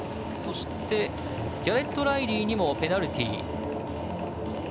ギャレット・ライリーにもペナルティー。